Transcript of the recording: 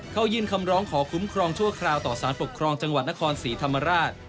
เขายื่นคำร้องขอคุ้มครองชั่วคราวต่อสารปกครองจังหวัดนครศรีธรรมราช